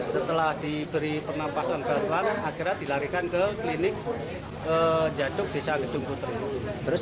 setelah diberi penampasan batuan akhirnya dilarikan ke klinik jaduk desa gedung putri